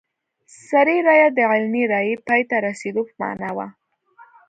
سري رایه د علني رایې پای ته رسېدو په معنا وه.